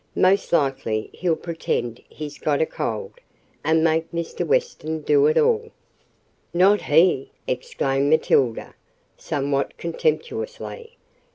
Most likely he'll pretend he's got a cold, and make Mr. Weston do it all." "Not he!" exclaimed Matilda, somewhat contemptuously.